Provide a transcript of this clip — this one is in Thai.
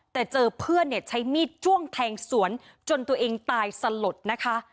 แต่เจอเพื่อนเนี่ยใช้มีดจ้วงแทงสวนจนตัวเองตายสลดนะคะ